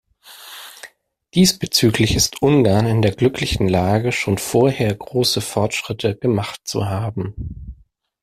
Diesbezüglich ist Ungarn in der glücklichen Lage, schon vorher große Fortschritte gemacht zu haben.